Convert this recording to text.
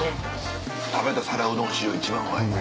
食べた皿うどん史上一番うまい。